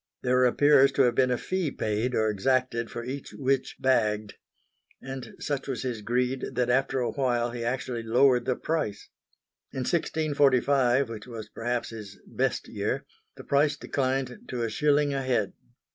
There appears to have been a fee paid or exacted for each witch "bagged"; and such was his greed that after a while he actually lowered the price. In 1645, which was perhaps his "best" year, the price declined to a shilling a head.